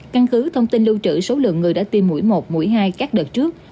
căn cứ thông tin lưu trữ số lượng người đã tiêm mũi một mũi hai các đợt trước